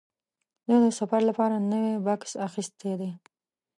زه د سفر لپاره نوی بکس اخیستی دی.